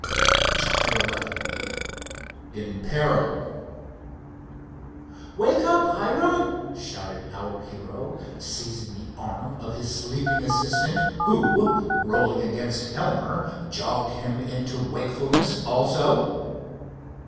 CHAPTER XI IN PERIL "Wake up, Hiram," shouted our hero, seizing the arm of his sleeping assistant, who, rolling against Elmer, jogged him into wakefulness also.